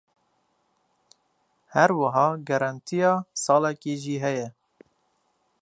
Her wiha garantiya salekê jî heye.